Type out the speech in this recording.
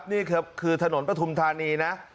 นี่คือถนนประทุมธานีนะ